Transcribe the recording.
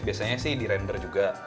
biasanya sih dirender juga